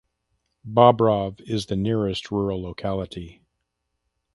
Bobrov is the nearest rural locality.